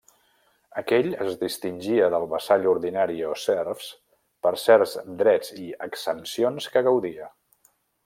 Aquell es distingia del vassall ordinari o serfs per certs drets i exempcions que gaudia.